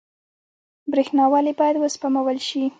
برښنا ولې باید وسپمول شي؟